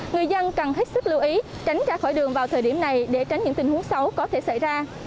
người dân cần hết sức lưu ý tránh ra khỏi đường vào thời điểm này để tránh những tình huống xấu có thể xảy ra